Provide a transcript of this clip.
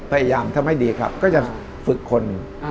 พยายามทำให้ดีครับก็จะฝึกคน